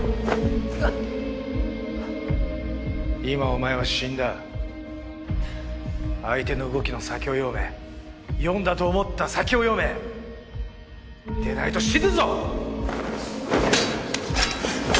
今お前は死んだ相手の動きの先を読め読んだと思った先を読めでないと死ぬぞ！